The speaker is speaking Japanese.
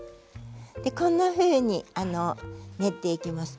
こんなふうに練っていきます。